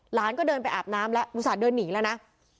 หลานก็เดินไปอาบน้ำแล้วอุตส่าหเดินหนีแล้วนะ